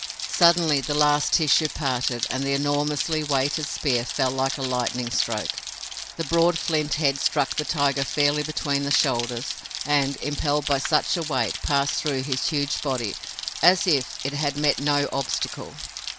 Suddenly the last tissue parted and the enormously weighted spear fell like a lightning stroke. The broad flint head struck the tiger fairly between the shoulders, and, impelled by such a weight, passed through his huge body as if it had met no obstacle.